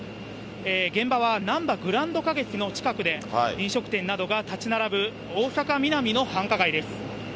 現場はなんばグランド花月の近くで、飲食店などが建ち並ぶ大阪・ミナミの繁華街です。